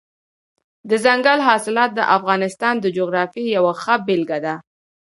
دځنګل حاصلات د افغانستان د جغرافیې یوه ښه بېلګه ده.